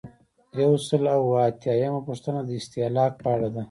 یو سل او اووه اتیایمه پوښتنه د استهلاک په اړه ده.